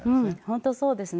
本当そうですね。